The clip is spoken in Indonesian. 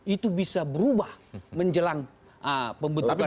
itu bisa berubah menjelang pembentukan